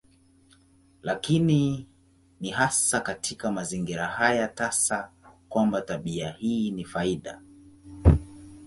Lakini ni hasa katika mazingira haya tasa kwamba tabia hii ni faida.